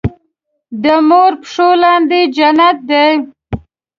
دې مور پښو لاندې جنت دی